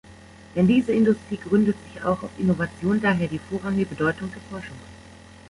Denn diese Industrie gründet sich auch auf Innovation, daher die vorrangige Bedeutung der Forschung.